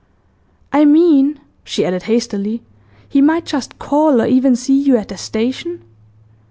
'I mean,' she added, hastily, 'he might just call, or even see you at the station?